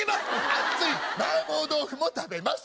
熱い麻婆豆腐も食べます！